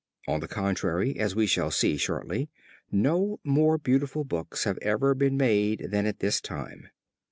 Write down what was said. On the contrary, as we shall see shortly, no more beautiful books have ever been made than at this time.